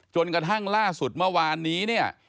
จนกระทั่งล่าสุดเมื่อวานนี้เนี่ย